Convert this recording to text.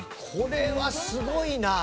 これはすごいな！